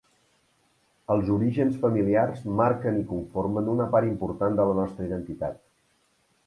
Els orígens familiars marquen i conformen una part important de la nostra identitat.